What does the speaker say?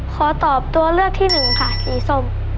ขอตอบตัวเลือกที่หนึ่งค่ะสีส้ม